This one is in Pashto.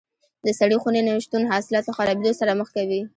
د سړې خونې نه شتون حاصلات له خرابېدو سره مخ کوي.